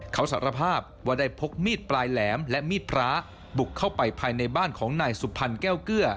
เขาสารภาพว่าได้พกมีดปลายแหลมและมีดพระบุกเข้าไปภายในบ้านของนายสุพรรณแก้วเกลือ